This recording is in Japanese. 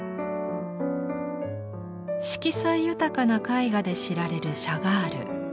色彩豊かな絵画で知られるシャガール。